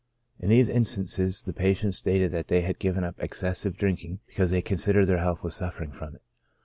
In these instances, the patients stated they had given up excessive drinking because they considered their health vi^as suffering from it.